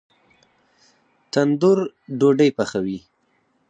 تندور ډوډۍ پخوي